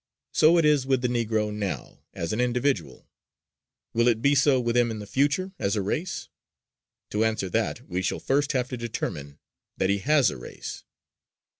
So it is with the Negro now, as an individual. Will it be so with him in the future as a race? To answer that we shall first have to determine that he has a race.